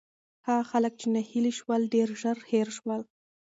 هغه خلک چې ناهیلي شول، ډېر ژر هېر شول.